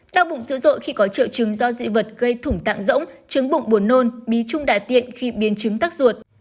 đau bụng dữ dội khi có triệu chứng do dị vật gây thủng tạng rỗng trứng bụng buồn nôn bí trung đại tiện khi biến chứng tắc ruột